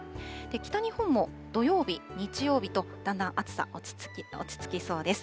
北日本も土曜日、日曜日とだんだん暑さ落ち着きそうです。